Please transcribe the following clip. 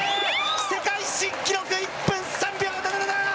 世界新記録、１分３秒７７。